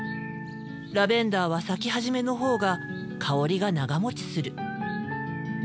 ラベンダーは咲き始めのほうが香りが長もちする。